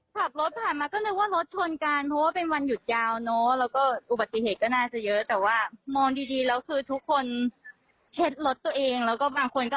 จำนวงซะขับไปสักคระก็หยดหนักตัวเองเหมือนกันค่ะ